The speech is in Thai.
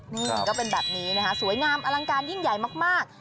นี่ก็เป็นแบบนี้นะคะสวยงามอลังการยิ่งใหญ่มาก